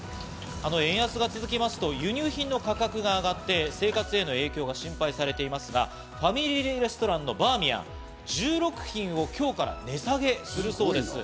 円安が続きますと輸入品の価格が上がって生活への影響が心配されていますが、ファミリーレストランのバーミヤン、１６品を今日から値下げするそうです。